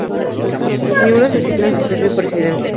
Los miembros designan su propio Presidente.